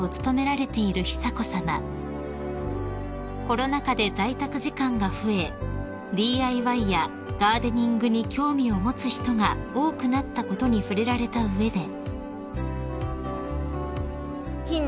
［コロナ禍で在宅時間が増えＤＩＹやガーデニングに興味を持つ人が多くなったことに触れられた上で］